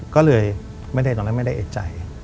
ก็เลยในตรงนั้นไม่ได้เอ็ดใจ